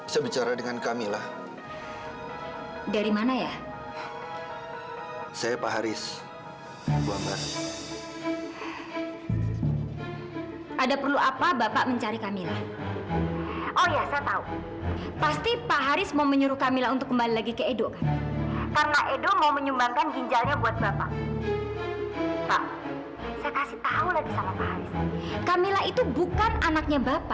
sampai jumpa di video selanjutnya